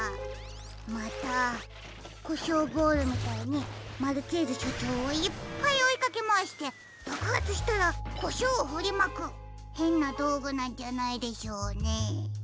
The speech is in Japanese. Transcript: またコショウボールみたいにマルチーズしょうちょうをいっぱいおいかけまわしてばくはつしたらコショウをふりまくへんなどうぐなんじゃないでしょうねえ。